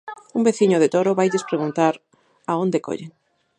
Un veciño de Toro vailles preguntar a onde collen.